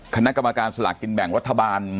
คณะกรรมการสลากกินแบ่งรัฐบาล